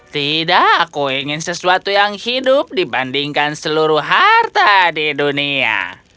tidak aku ingin sesuatu yang hidup dibandingkan seluruh harta di dunia